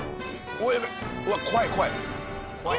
うわっ怖い怖い。